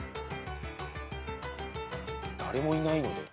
「誰もいないので」